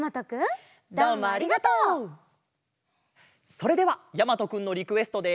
それではやまとくんのリクエストで。